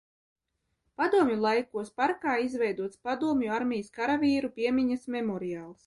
Padomju laikos parkā izveidots Padomju armijas karavīru piemiņas memoriāls.